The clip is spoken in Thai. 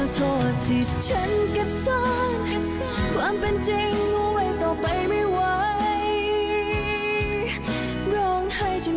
จำให้เธอรู้ข้างใจ